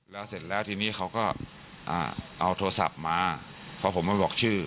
แล้วเสร็จแล้วทีนี้เขาก็เอาโทรศัพท์มาเพราะผมไม่บอกชื่อ